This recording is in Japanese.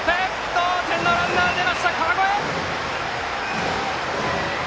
同点のランナー出ました川越！